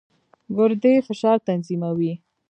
ګردې فشار تنظیموي.